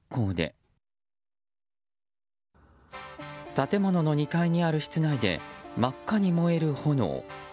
建物の２階にある室内で真っ赤に燃える炎。